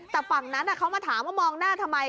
แต่ฝั่งนั้นเขามาถามว่ามองหน้าทำไม